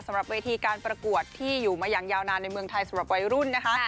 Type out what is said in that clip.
เวทีการประกวดที่อยู่มาอย่างยาวนานในเมืองไทยสำหรับวัยรุ่นนะคะ